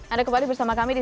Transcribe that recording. anda kembali bersama kami di